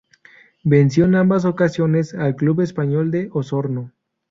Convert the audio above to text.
Venció en ambas ocasiones al club Español de Osorno.